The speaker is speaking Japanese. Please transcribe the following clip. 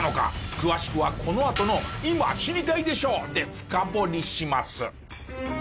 詳しくはこのあとの『今知りたいでしょ！』で深掘りします。